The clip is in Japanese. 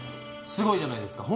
すごいじゃないですか。